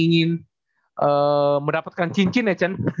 yang ingin mendapatkan cincin ya chen